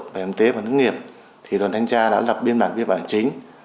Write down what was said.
bảo hiểm tế và nước nghiệp thì đoàn thanh tra đã lập biên bản biên bản chính